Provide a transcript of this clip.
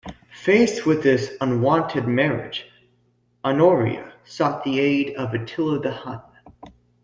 Faced with this unwanted marriage, Honoria sought the aid of Attila the Hun.